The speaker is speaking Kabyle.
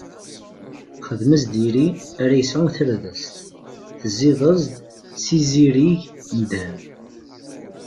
Xdem-as iri ara yesɛun tardest, tezziḍ- as-d s izirig n ddheb.